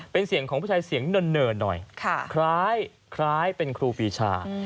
เป็นเสียงของผู้ชายเสียงเนิ่นหน่อยคล้ายเป็นครูปีชา